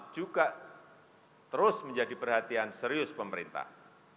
juga terus menjadi perhatian serius pemerintah